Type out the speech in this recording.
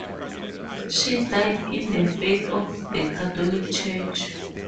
She died in the faith of the Catholic Church.